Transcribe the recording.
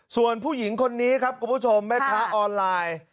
ส่วนผู้หญิงคนนี้ครับคุณผู้ชมแม่ค้าออนไลน์